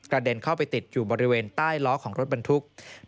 กระเด็นเข้าไปทิ้งด้วยบริเวณล้อของรถบริทุกาน์